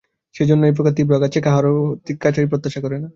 সেইজন্য এইপ্রকার তীব্র আঘাত সে কাহারো কাছে প্রত্যাশাই করে না।